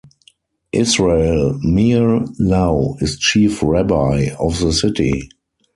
Israel Meir Lau is chief rabbi of the city.